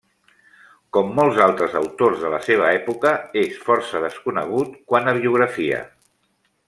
Com molts altres autors de la seva època, és força desconegut quant a biografia.